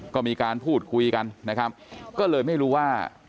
ก็มีการพูดคุยกันนะครับก็เลยไม่รู้ว่า